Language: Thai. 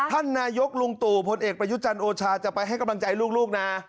ท่านนายกลุงตู่พลเอกประยุจันทร์โอชาจะไปให้กำลังใจลูกนะ